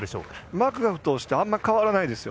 マクガフ投手ってあまり変わらないですよ。